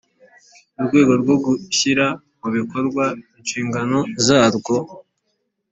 Mu rwego rwo gushyira mu bikorwa inshingano zarwo